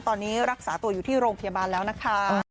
ตอนนี้รักษาตัวอยู่ที่โรงพยาบาลแล้วนะคะ